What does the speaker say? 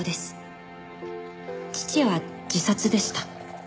「父は自殺でした」